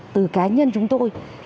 từ cá nhân chúng tôi